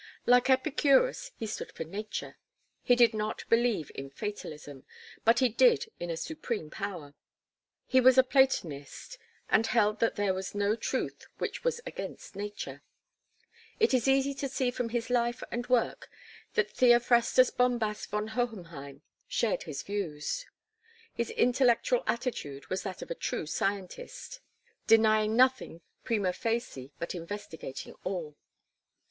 Like Epicurus he stood for nature. He did not believe in fatalism, but he did in a supreme power. He was a Platonist and held that there was no truth which was against nature. It is easy to see from his life and work that Theophrastus Bombast von Hohenheim shared his views. His intellectual attitude was that of a true scientist denying nothing prima facie but investigating all.